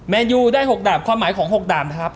แนนยูได้๖ดาบความหมายของ๖ดาบนะครับ